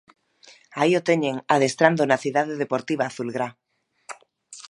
Aí o teñen adestrando na Cidade Deportiva azulgrá.